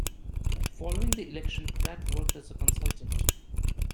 Following the election, Pratt worked as a consultant.